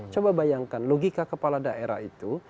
coba bayangkan logika kepala daerah itu